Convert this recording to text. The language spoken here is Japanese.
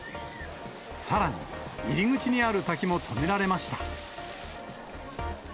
さらに、入り口にある滝も止められました。